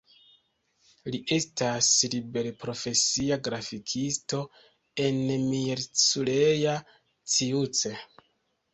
Li estas liberprofesia grafikisto en Miercurea Ciuc.